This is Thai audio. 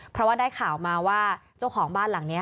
เพราะว่าได้ข่าวมาว่าเจ้าของบ้านหลังนี้